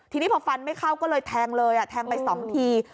ทีนี้พอฟันไม่เข้าก็เลยแทงเลยแทงไป๒ที